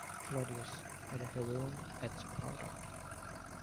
Cleodaeus had a heroon at Sparta.